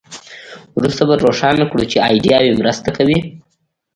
وروسته به روښانه کړو چې دا ایډیاوې مرسته کوي